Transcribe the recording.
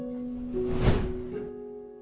สวัสดีครับ